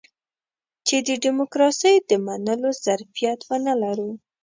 چې د ډيموکراسۍ د منلو ظرفيت ونه لرو.